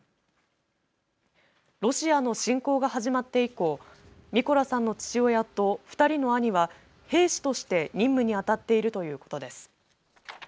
ロシアの侵攻が始まって以降、ミコラさんの父親と２人の兄は兵士として任務にあたっているということです。